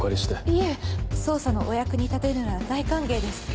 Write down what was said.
いえ捜査のお役に立てるなら大歓迎です。